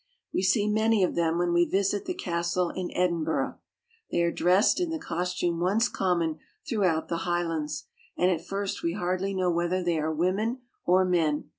We see many of them when we visit the castle in Edinburgh. They are dressed in the cos tume once common through out the Highlands, and at first we hardly know whether they are women or men.